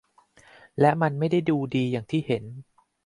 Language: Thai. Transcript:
และมันไม่ได้ดูดีอย่างที่เห็น